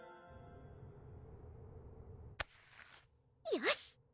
よし！